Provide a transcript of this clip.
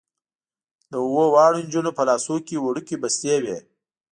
د اوو واړو نجونو په لاسونو کې وړوکې بستې وې.